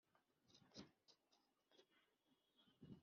mutore urugori rw' iz' iruguru